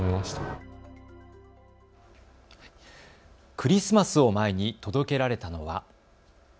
クリスマスを前に届けられたのは。